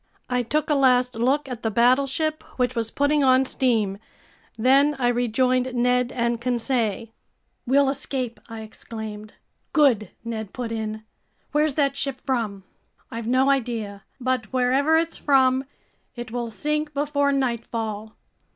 I took a last look at the battleship, which was putting on steam. Then I rejoined Ned and Conseil. "We'll escape!" I exclaimed. "Good," Ned put in. "Where's that ship from?" "I've no idea. But wherever it's from, it will sink before nightfall.